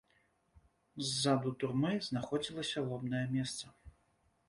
Ззаду турмы знаходзілася лобнае месца.